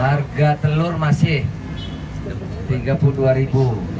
harga telur masih rp tiga puluh dua